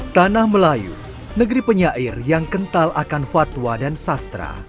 tanah melayu negeri penyair yang kental akan fatwa dan sastra